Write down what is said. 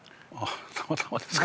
たまたまですか。